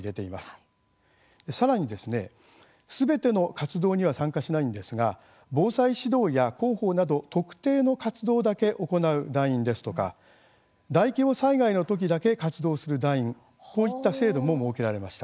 さらにですね、すべての活動には参加しないんですが防災指導や広報など特定の活動だけ行う団員ですとか大規模災害の時だけ活動する団員こういった制度も設けられました。